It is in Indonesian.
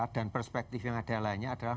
dan perspektif yang ada lainnya adalah